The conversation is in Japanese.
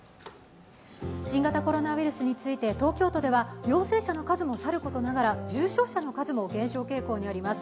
新型コロナウイルスについて東京都では陽性者の数もさることながら重症者の数も減少傾向にあります。